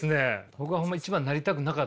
僕はホンマ一番なりたくなかったんです。